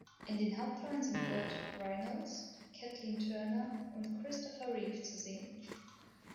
In den Hauptrollen sind Burt Reynolds, Kathleen Turner und Christopher Reeve zu sehen.